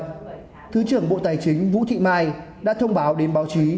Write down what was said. thứ trưởng bộ tài chính vũ thị mai đã thông báo đến báo chí